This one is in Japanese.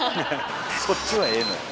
そっちはええのよ。